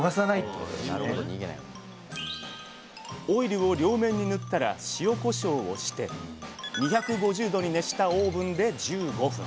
オイルを両面に塗ったら塩こしょうをして２５０℃に熱したオーブンで１５分。